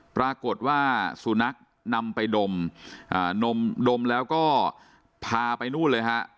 ปรากฏว่าสุนัขนำไปดมดมแล้วก็พาไปนู่นเลยฮะ